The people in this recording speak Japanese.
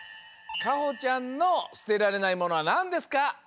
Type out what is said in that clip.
かほちゃんのすてられないものはなんですか？